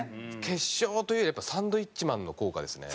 決勝というよりやっぱサンドウィッチマンの効果ですね。